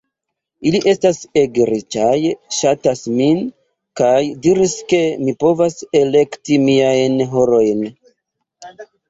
Ili estas ege riĉaj, ŝatas min, kaj diris ke mi povas elekti miajn horojn.